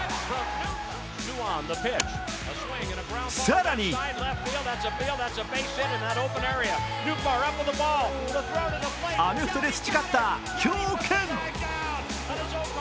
更にアメフトで培った強肩。